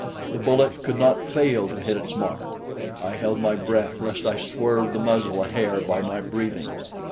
The bullet could not fail to hit its mark! I held my breath lest I swerve the muzzle a hair by my breathing.